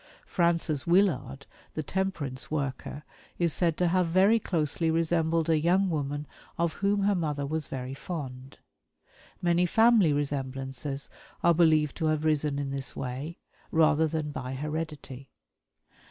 Frances Willard, the temperance worker, is said to have very closely resembled a young woman of whom her mother was very fond. Many family resemblances are believed to have arisen in this way, rather than by heredity.